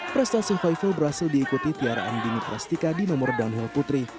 prestasi hoi ful berhasil diikuti tiara andini prestika di nomor downhill putri